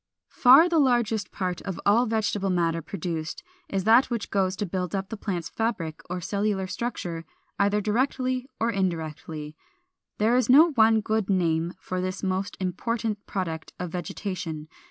418. Far the largest part of all vegetable matter produced is that which goes to build up the plant's fabric or cellular structure, either directly or indirectly. There is no one good name for this most important product of vegetation.